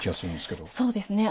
そうですね